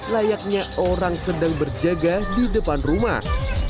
layaknya orang sedang berjaga di depan rumah